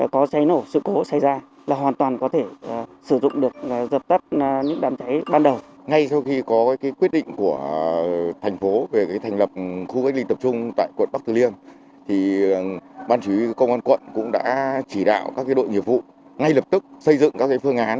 công an cũng đã chỉ đạo các đội nghiệp vụ ngay lập tức xây dựng các phương án